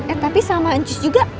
eh tapi sama anjis juga